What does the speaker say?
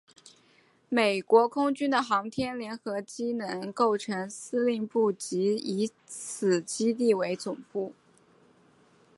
美国空军的航天联合机能构成司令部即以此基地为总部。